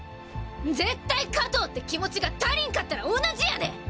絶対勝とうって気持ちが足りんかったら同じやで！